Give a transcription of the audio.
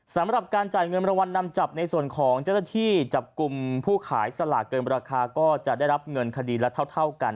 สำหรับการจ่ายเงินรางวัลนำจับในส่วนของเจ้าหน้าที่จับกลุ่มผู้ขายสลากเกินราคาก็จะได้รับเงินคดีละเท่ากัน